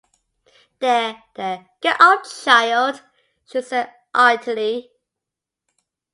“There, there, get up, child,” she said artily.